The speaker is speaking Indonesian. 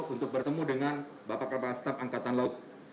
untuk bertemu dengan bapak kepala staf angkatan laut